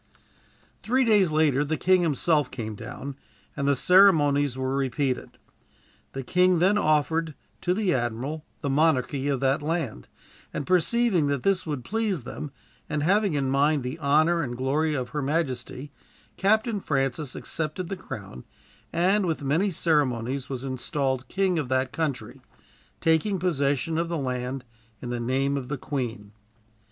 Three days later the king himself came down, and the ceremonies were repeated. The king then offered to the admiral the monarchy of that land, and perceiving that this would please them, and having in mind the honor and glory of her majesty, Captain Francis accepted the crown, and with many ceremonies was installed king of that country, taking possession of the land in the name of the Queen.